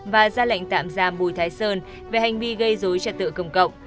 và ra lệnh tạm giam bùi thái sơn về hành vi gây dối trật tự công cộng